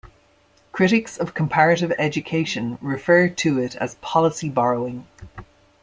Critics of comparative education refer to it as Policy Borrowing.